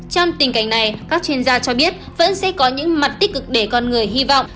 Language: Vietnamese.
trong tình cảnh này các chuyên gia cho biết vẫn sẽ có những mặt tích cực để con người hy vọng